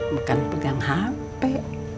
bukan pegang hape